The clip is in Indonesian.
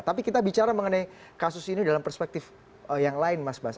tapi kita bicara mengenai kasus ini dalam perspektif yang lain mas bas